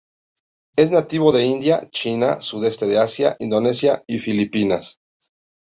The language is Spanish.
Es nativo de India, China, sudeste de Asia, Indonesia y Filipinas.